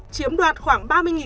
chiếm đoạt khoảng